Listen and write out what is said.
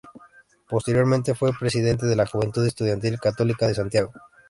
Posteriormente, fue presidenta de la Juventud Estudiantil Católica de Santiago.